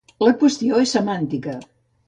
La qüestió és semàntica.